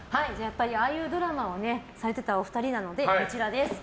ああいうドラマをされていたお二人なのでこちらです。